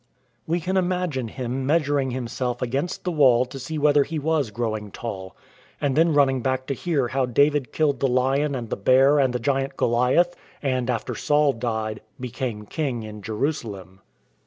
We can imagine him measuring himself against the wall to see whether he was growing tall, and then running back to hear how David killed the lion and the bear and the giant Goliath, and, after Saul died, became king in Jerusalem.